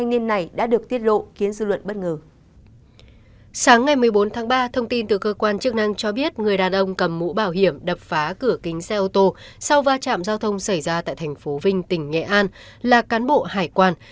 sáng ngày một mươi bốn tháng ba thông tin từ cơ quan chức năng cho biết người đàn ông cầm mũ bảo hiểm đập phá cửa kính xe ô tô sau va chạm giao thông xảy ra tại thành phố vinh tỉnh nghệ an là cán bộ hải quan